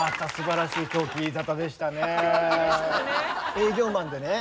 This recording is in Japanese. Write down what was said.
営業マンでね